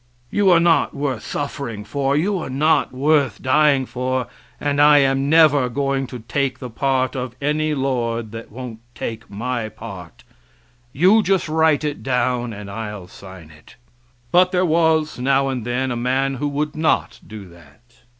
You are not worth suffering for, you are not worth dying for and I am never going to take the part of any Lord that won't take my part you just write it down and I'll sign it." But there was now and then a man who would not do that.